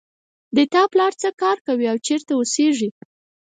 د تا پلار څه کار کوي او چېرته اوسیږي